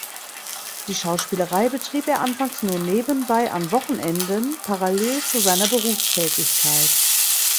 Die Schauspielerei betrieb er anfangs nur nebenbei an Wochenenden parallel zu seiner Berufstätigkeit.